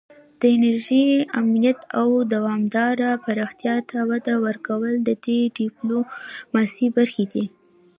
د انرژۍ امنیت او دوامداره پراختیا ته وده ورکول د دې ډیپلوماسي برخې دي